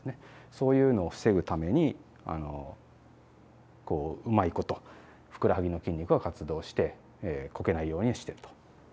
そういうのを防ぐためにこううまいことふくらはぎの筋肉が活動してこけないようにしてると。